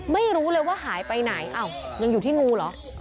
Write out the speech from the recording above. ไม่รู้เลยว่าหายไปไหนอ้าวยังอยู่ที่งูเหรอ